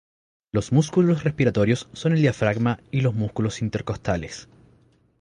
Los músculos respiratorios son el diafragma y los músculos intercostales.